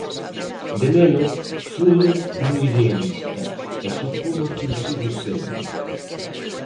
De neno fun un idealista e supoño que o sigo sendo.